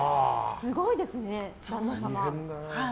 すごいですね、旦那様。